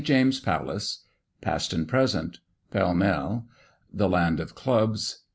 JAMES'S PALACE. PAST AND PRESENT. PALL MALL. THE LAND OF CLUBS.